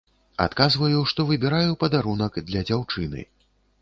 Адказваю, што выбіраю падарунак для дзяўчыны.